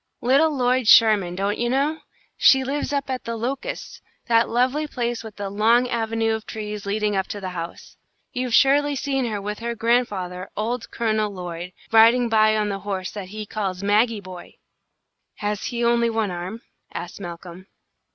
Little Lloyd Sherman, don't you know? She lives up at 'The Locusts,' that lovely place with the long avenue of trees leading up to the house. You've surely seen her with her grandfather, old Colonel Lloyd, riding by on the horse that he calls Maggie Boy." "Has he only one arm?" asked Malcolm.